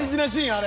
あれ。